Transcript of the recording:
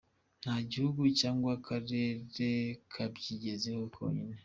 Nta gihugu cyangwa akarere kabyigezaho konyine.